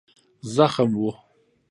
زخم و.